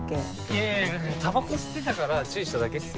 いやいやタバコ吸ってたから注意しただけっすよ。